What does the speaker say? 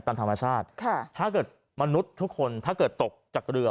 ตามธรรมชาติถ้าเกิดมนุษย์ทุกคนถ้าเกิดตกจากเรือ